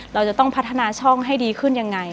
เราจะต้องพัฒนาช่องให้ดีขึ้นยังไง